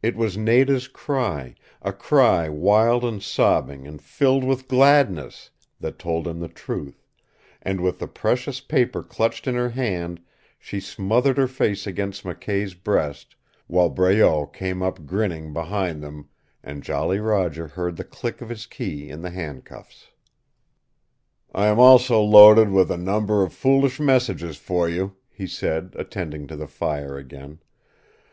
It was Nada's cry, a cry wild and sobbing and filled with gladness, that told him the truth, and with the precious paper clutched in her hand she smothered her face against McKay's breast, while Breault came up grinning behind them, and Jolly Roger heard the click of his key in the handcuffs. "I am also loaded down with a number of foolish messages for you," he said, attending to the fire again.